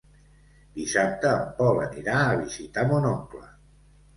Dissabte en Pol anirà a visitar mon oncle.